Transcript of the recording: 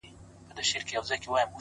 • دا پردۍ ښځي چي وینمه شرمېږم ,